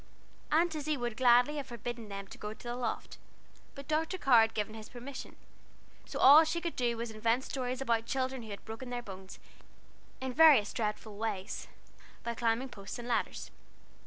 Aunt Izzie would gladly have forbidden them to go the loft, but Dr. Carr had given his permission, so all she could do was to invent stories about children who had broken their bones in various dreadful ways, by climbing posts and ladders.